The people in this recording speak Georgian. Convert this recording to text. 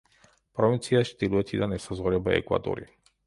პროვინციას ჩრდილოეთიდან ესაზღვრება ეკვადორი.